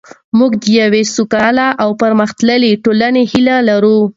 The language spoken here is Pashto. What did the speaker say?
موږ د یوې سوکاله او پرمختللې ټولنې هیله لرو.